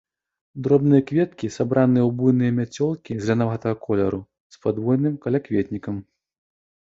Дробныя кветкі сабраны ў буйныя мяцёлкі, зелянявага колеру, з падвойным калякветнікам.